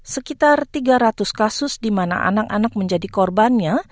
sekitar tiga ratus kasus di mana anak anak menjadi korbannya